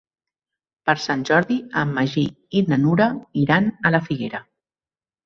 Per Sant Jordi en Magí i na Nura iran a la Figuera.